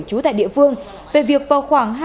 trú tại địa phương về việc vào khoảng